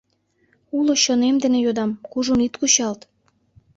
Уло чонем дене йодам, кужун ит кучалт.